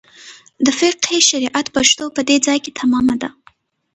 د فقه شریعت پښتو په دې ځای کې تمامه ده.